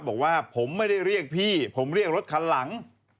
บอกว่าผมไม่ได้เรียกพี่ผมเรียกรถคันหลัง